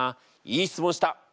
いい質問した！